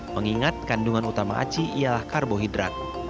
mengingat kandungan utama aci ialah karbohidrat